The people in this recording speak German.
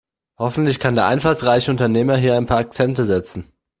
Hoffentlich kann der einfallsreiche Unternehmer hier ein paar Akzente setzen.